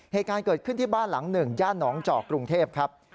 เหตุการณ์เกิดขึ้นที่บ้านหลังหนึ่งย่านหนองจอกกรุงเทพครับ